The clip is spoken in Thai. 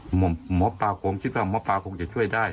หมอปลาคงคิดว่าหมอปลาคงจะช่วยได้